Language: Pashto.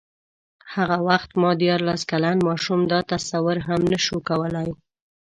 هغه وخت ما دیارلس کلن ماشوم دا تصور هم نه شو کولای.